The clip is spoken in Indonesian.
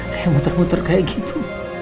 kayak muter muter kayak gitu